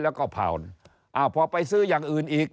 แล้วก็ผ่านพอไปซื้ออย่างอื่นอีก